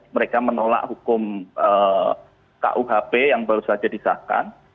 mereka menolak hukum kuhp yang baru saja disahkan